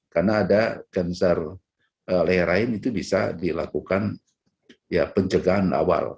karena ada kanser leherain itu bisa dilakukan penjagaan awal